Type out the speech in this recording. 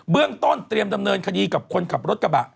เรื่องต้นเตรียมดำเนินคดีกับคนขับรถกระบะ